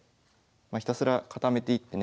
ひたすら固めていってね